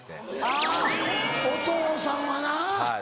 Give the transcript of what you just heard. あぁお父さんはな分かる。